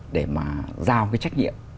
để mà giao cái trách nhiệm